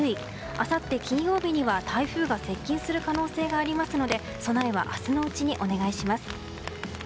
あさって金曜日には台風が接近する可能性がありますので備えは明日のうちにお願いします。